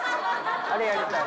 あれやりたい。